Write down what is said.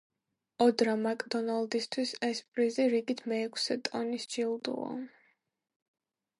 ოდრა მაკდონალდისთვის ეს პრიზი რიგით მეექვსე ტონის ჯილდოა.